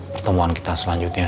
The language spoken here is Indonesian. pertemuan kita selanjutnya